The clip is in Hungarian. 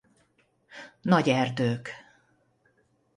Nagy erdők.